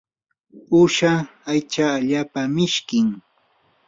uusha aycha allaapa mishkim.